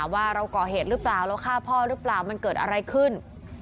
ว่าเราก่อเหตุหรือเปล่าเราฆ่าพ่อหรือเปล่ามันเกิดอะไรขึ้น